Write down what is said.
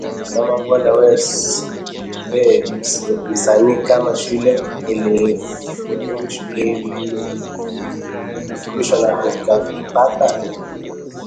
”Mama mbona we msanii kama shule nilifurushwa na ukipata